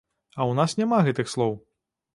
А ў нас няма гэтых слоў.